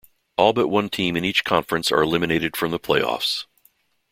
All but one team in each conference are eliminated from the playoffs.